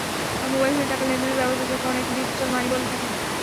Mobile ফোনে টাকা লেনদেনের ব্যবস্থা, যাকে অনেকে ডিজিটাল মানি বলে থাকেন।